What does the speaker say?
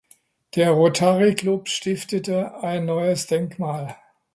Der Rotary Club stiftete ein neues Denkmal.